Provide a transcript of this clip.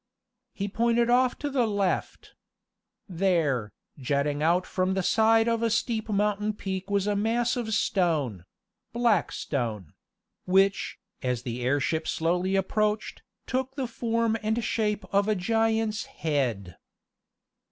He pointed off to the left. There, jutting out from the side of a steep mountain peak was a mass of stone black stone which, as the airship slowly approached, took the form and shape of a giant's head.